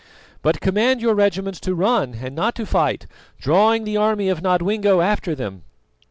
But command your regiments to run and not to fight, drawing the army of Nodwengo after them.